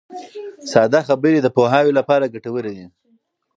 ساده خبرې د پوهاوي لپاره ګټورې دي.